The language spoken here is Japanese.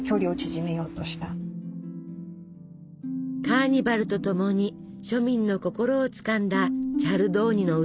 カーニバルとともに庶民の心をつかんだチャルドーニの歌。